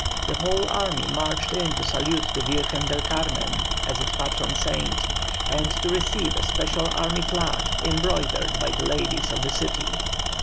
The whole army marched in to salute the Virgen del Carmen as its patron saint, and to receive a special army flag embroidered by the ladies of the city.